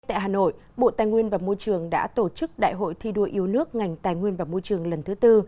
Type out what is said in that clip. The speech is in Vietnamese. tại hà nội bộ tài nguyên và môi trường đã tổ chức đại hội thi đua yêu nước ngành tài nguyên và môi trường lần thứ tư